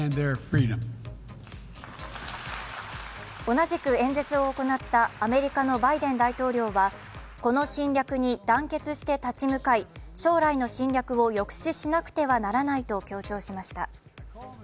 同じく演説を行ったアメリカのバイデン大統領はこの侵略に団結して立ち向かい将来の侵略を抑止しなくてはならないと強調しました。